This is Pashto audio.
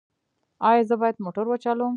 ایا زه باید موټر وچلوم؟